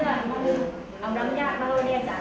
ทุติยังปิตพุทธธาเป็นที่พึ่ง